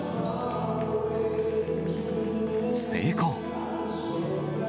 成功。